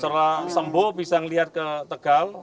setelah sembuh bisa melihat ke tegal